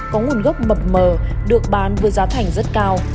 có nguồn gốc mập mờ được bán với giá thành rất cao